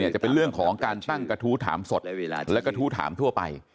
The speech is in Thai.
จะเป็นเรื่องของการตั้งกระทู้ถามสดและกระทู้ถามทั่วไป